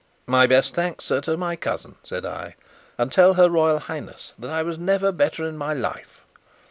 "My best thanks, sir, to my cousin," said I; "and tell her Royal Highness that I was never better in my life."